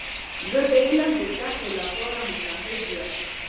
زه د علم د زده کړې لپاره متعهد یم.